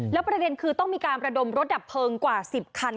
แล้วประเด็นคือต้องมีการระดมรถดับเพลิงกว่า๑๐คัน